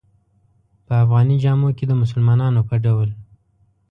په افغاني جامو کې د مسلمانانو په ډول.